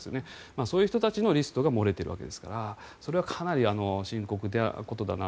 そういう人たちのリストが漏れているわけですからかなり深刻なことだなと。